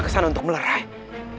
kesini kita harus segera kesini